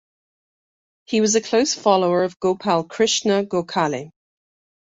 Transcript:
He was a close follower of Gopal Krishna Gokhale.